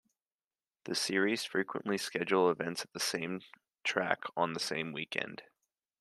The series frequently schedule events at the same track on the same weekend.